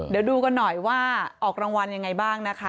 เดี๋ยวดูกันหน่อยว่าออกรางวัลยังไงบ้างนะคะ